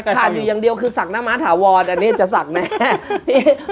ขาดอยู่อย่างเดียวคือสักหน้าม้าถาวรอันนี้จะสักไหม